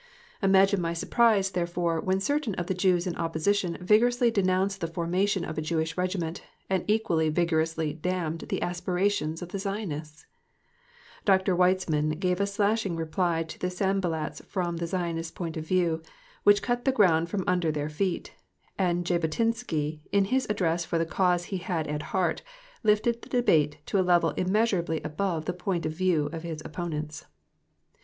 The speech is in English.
Imagine my surprise, therefore, when certain of the Jews in opposition vigorously denounced the formation of a Jewish Regiment, and equally vigorously damned the aspirations of the Zionists! Dr. Weizmann gave a slashing reply to the Sanballats from the Zionist point of view which cut the ground from under their feet; and Jabotinsky, in his address for the cause he had at heart, lifted the debate to a level immeasurably above the point of view of his opponents.